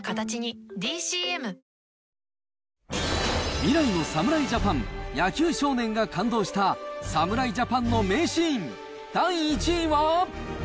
未来の侍ジャパン、野球少年が感動した侍ジャパンの名シーン第１位は。